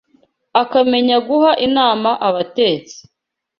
akamenya guha inama abatetsi